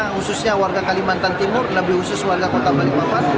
khususnya warga kalimantan timur lebih khusus warga kota balikpapan